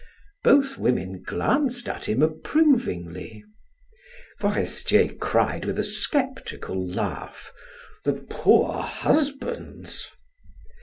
Both women glanced at him approvingly. Forestier cried with a sceptical laugh: "The poor husbands!"